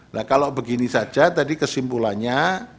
nah kalau begini saja tadi kesimpulannya